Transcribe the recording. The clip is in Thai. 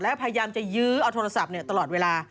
และพยายามจะยื้อเอาโทรศัพท์ตลอดเวลา